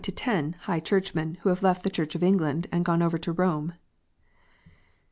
185 ten High Churchmen who have left the Church of England and gone over to Rome.